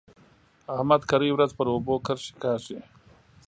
احمد کرۍ ورځ پر اوبو کرښې کاږي.